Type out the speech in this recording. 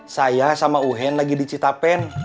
saya sama uhen lagi di cita pen